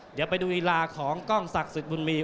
เดี๋ยวไปดูอีลาของกล้องสักสุดบุญมี